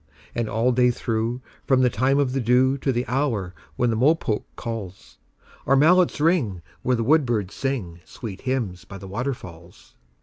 And all day through, from the time of the dewTo the hour when the mopoke calls, Our mallets ring where the woodbirds singSweet hymns by the waterfalls.